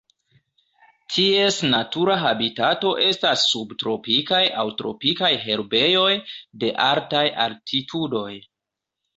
Ties natura habitato estas subtropikaj aŭ tropikaj herbejoj de altaj altitudoj.